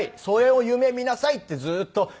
「それを夢見なさい」ってずーっと。